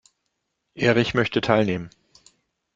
Erich möchte teilnehmen.